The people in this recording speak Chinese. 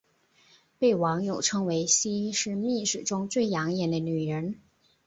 被网友称为西施秘史中最养眼的女人。